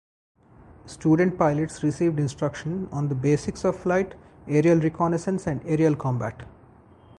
Student pilots received instruction on the basics of flight, aerial reconnaissance and aerial combat.